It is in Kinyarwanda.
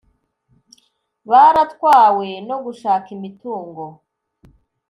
baratwawe no gushaka imitungo